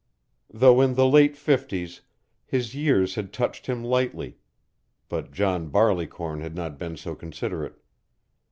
Though in the late fifties, his years had touched him lightly; but John Barleycorn had not been so considerate.